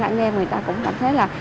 anh em người ta cũng cảm thấy là